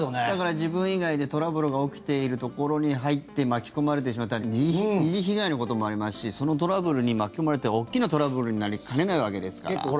だから自分以外でトラブルが起きているところに入って巻き込まれてしまったり二次被害のこともありますしそのトラブルに巻き込まれて大きなトラブルになりかねないわけですから。